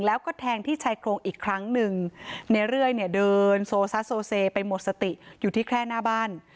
แล้วก็แทงที่ชายโครงอีกครั้งหนึ่งในเรื่อยเนี่ยเดินโซซัสโซเซไปหมดสติอยู่ที่แค่หน้าบ้าน